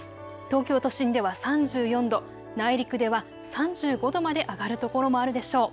東京都心では３４度、内陸では３５度まで上がる所もあるでしょう。